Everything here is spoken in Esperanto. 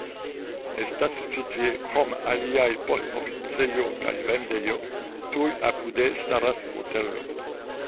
Estas ĉi tie krom aliaj poŝtoficejo kaj vendejo, tuj apude staras hotelo.